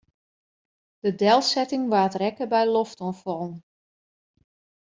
De delsetting waard rekke by loftoanfallen.